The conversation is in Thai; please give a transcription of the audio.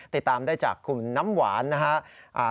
ติดตามได้จากคุณน้ำหวานนะครับ